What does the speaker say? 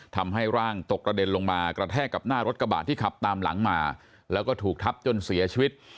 ทำให้ร่างตกระเด็นลงมากระแทกกับหน้ารถกระบะที่ขับตามหลังมาแล้วก็ถูกทับจนเสียชีวิต